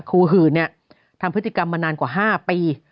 หื่นทำพฤติกรรมมานานกว่า๕ปี